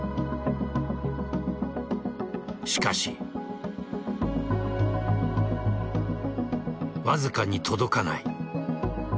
しかしわずかに届かない。